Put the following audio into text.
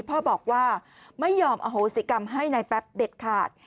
พ่อบอกว่าไม่ยอมอโหสิกรรมให้นายแป๊บเด็ดขาด